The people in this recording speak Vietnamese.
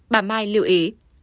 bà mai lưu ý